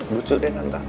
lucu deh tante